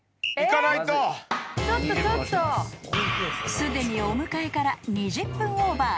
［すでにお迎えから２０分オーバー］